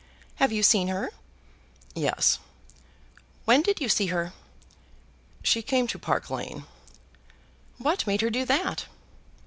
"Have you seen her?" "Yes." "When did you see her?" "She came to Park Lane." "What made her do that?"